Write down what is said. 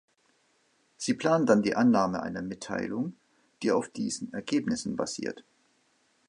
Sie plant dann die Annahme einer Mitteilung, die auf diesen Ergebnissen basiert.